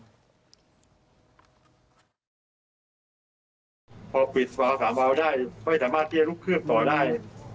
พอปิดวาว๓วาวได้ไม่สามารถที่จะลุกเครื่องต่อได้